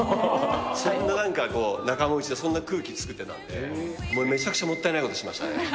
そんななんか、仲間内でそんな空気作ってたんで、もうめちゃくちゃもったいないことしましたね。